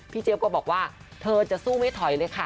เจี๊ยบก็บอกว่าเธอจะสู้ไม่ถอยเลยค่ะ